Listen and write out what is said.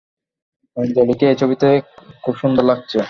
আঞ্জলিকে এই ছবিতে খুব সুন্দর লাগছে।